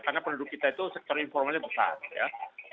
karena penduduk kita itu sektor informatif bukan